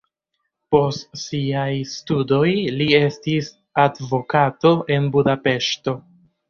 Post siaj studoj li estis advokato en Budapeŝto.